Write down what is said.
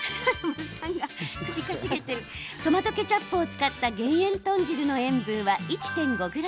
トマトケチャップを使った減塩豚汁の塩分は１．５ｇ。